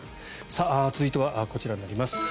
続いてはこちらになります。